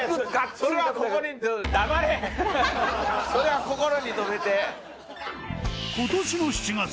それは心に留めて。